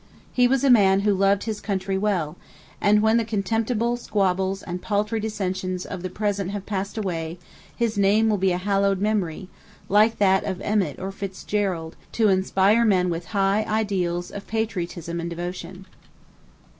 He was a man who loved his country well; and when the contemptible squabbles and paltry dissensions of the present have passed away, his name will be a hallowed memory, like that of Emmet or Fitzgerald, to inspire men with high, ideals of patriotism and devotion.